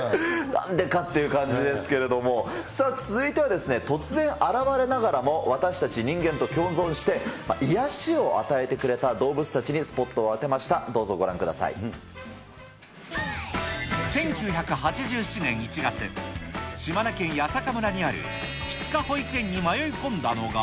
なんでかっていう感じですけれども、さあ続いてはですね、突然現れながらも私たち人間と共存して、癒やしを与えてくれた動物たちにスポットを当てました、どうぞご１９８７年１月、島根県弥栄村にある杵束保育園に迷い込んだのが。